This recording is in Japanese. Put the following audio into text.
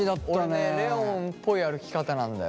でもね俺ねレオンっぽい歩き方なんだよ。